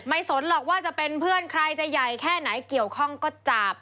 สนหรอกว่าจะเป็นเพื่อนใครจะใหญ่แค่ไหนเกี่ยวข้องก็จับ